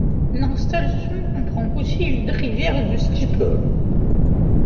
L'installation comprend aussi une rivière de steeple.